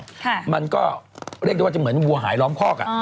ค่ะมันก็เรียกได้ว่าจะเหมือนวัวหายล้อมคอกอ่ะ